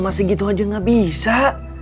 masih gitu aja gak bisa